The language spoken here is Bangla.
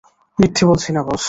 মিথ্যে বলছি না বস!